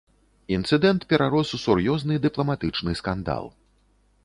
Інцыдэнт перарос у сур'ёзны дыпламатычны скандал.